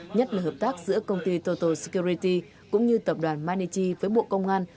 nhất là hợp tác giữa công ty total security cũng như tập đoàn manichi với bộ công an